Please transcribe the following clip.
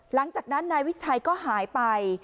หลังจากนั้นนายวิชัยก็หายไป